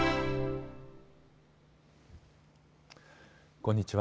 こんにちは。